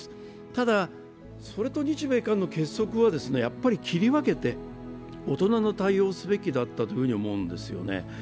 ただ、それと日米韓の結束は切り分けて大人の対応をすべきだったというふうに思うんですよね。